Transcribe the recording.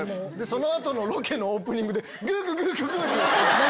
その後のロケのオープニングで「グググググ」って。